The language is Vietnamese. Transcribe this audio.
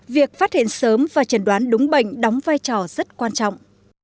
việc phát hiện sớm và chẩn đoán đúng bệnh đóng vai trò rất quan trọng